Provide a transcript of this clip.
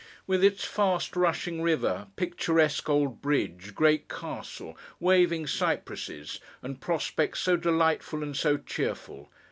With its fast rushing river, picturesque old bridge, great castle, waving cypresses, and prospect so delightful, and so cheerful!